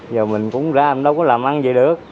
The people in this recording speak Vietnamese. giờ mình cũng ra đâu có làm ăn gì được